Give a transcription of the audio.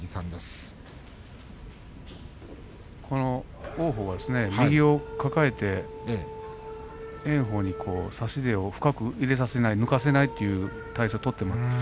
相手の王鵬は右を抱えて炎鵬に差し手を深く入れさせない抜かせないという体勢を取っていました。